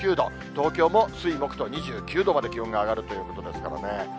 東京も水、木と２９度まで気温が上がるということですからね。